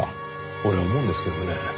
俺思うんですけどね